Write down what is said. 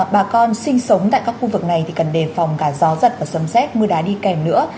bà con sinh sống tại các khu vực này thì cần đề phòng cả gió giật và sầm xét mưa đá đi kèm nữa